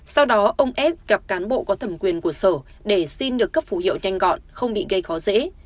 sau đó ông s gặp cán bộ có thẩm quyền của sở để xin được cấp phủ hiệu nhanh gọn không bị gây khó dễ